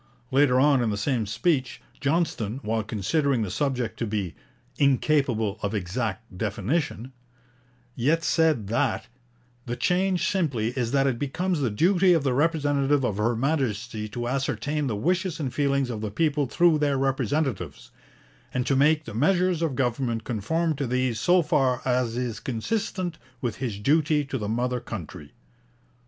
Later on in the same speech, Johnston, while considering the subject to be 'incapable of exact definition,' yet said that 'the change simply is that it becomes the duty of the representative of Her Majesty to ascertain the wishes and feelings of the people through their representatives, and to make the measures of government conform to these so far as is consistent with his duty to the mother country.'